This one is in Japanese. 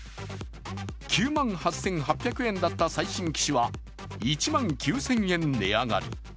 ９万８８００円だった最新機種は、１万９０００円値上がり。